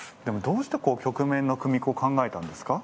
どうして曲面の組子を考えたんですか？